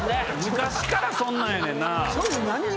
昔からそんなやねんな。